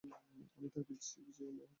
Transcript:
আমি তার পিছে পিছে প্রবেশ করলাম।